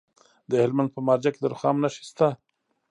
د هلمند په مارجه کې د رخام نښې شته.